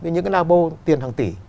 những cái labo tiền hàng tỷ